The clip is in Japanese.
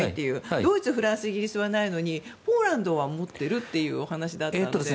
ドイツ、フランス、イギリスはないのにポーランドは持っているというお話でしたが。